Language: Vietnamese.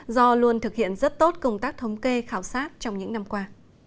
do luôn thực hiện rất tốt công tác thống kê khảo sát trong những năm qua